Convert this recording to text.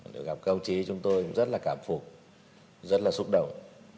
để gặp công chí chúng tôi rất là cảm phục rất là xúc động